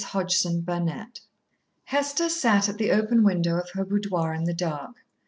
Chapter Eighteen Hester sat at the open window of her boudoir in the dark.